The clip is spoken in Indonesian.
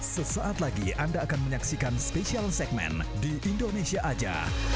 sesaat lagi anda akan menyaksikan spesial segmen di indonesia aja